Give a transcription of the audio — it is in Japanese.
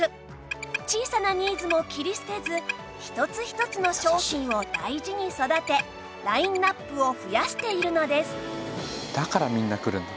小さなニーズも切り捨てず一つ一つの商品を大事に育てラインアップを増やしているのです